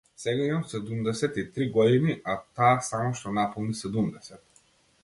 Сега имам седумдесет и три години, а таа само што наполни седумдесет.